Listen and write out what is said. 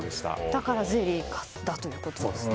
だからゼリーだということですね。